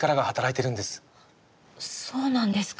そうなんですか？